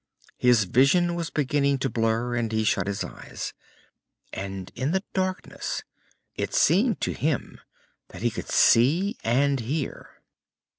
His vision was beginning to blur, and he shut his eyes, and in the darkness it seemed to him that he could see and hear....